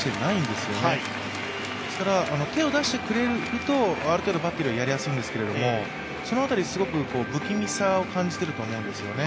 ですから手を出してくれるとある程度、バッテリーはやりやすいんですけど、その辺り、不気味さを感じていると思うんです。